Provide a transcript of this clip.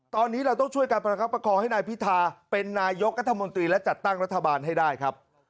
ตอนนี้เราต้องช่วยการประคับประคองให้นายพิธาเป็นนายกรัฐมนตรีและจัดตั้งรัฐบาลให้ได้ครับ